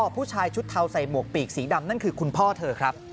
ผู้ชายชุดเทาใส่หมวกปีกสีดำนั่นคือคุณพ่อเธอครับ